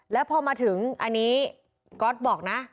แล้วพอมาถึงอันนี้ก๊อตบอกนะ